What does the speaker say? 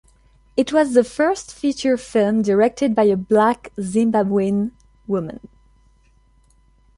It was the first feature film directed by a black Zimbabwean woman.